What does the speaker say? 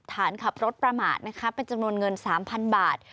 ฐานขับรถประมาทนะคะเป็นจำนวนเงิน๓๐๐๐บาท